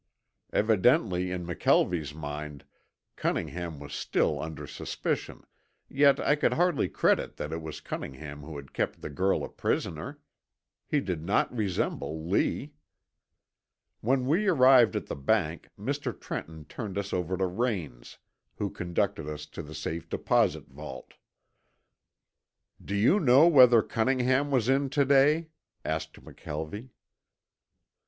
Evidently in McKelvie's mind Cunningham was still under suspicion, yet I could hardly credit that it was Cunningham who had kept the girl a prisoner. He did not resemble Lee. When we arrived at the bank Mr. Trenton turned us over to Raines, who conducted us to the safe deposit vault. "Do you know whether Cunningham was in to day?" asked McKelvie.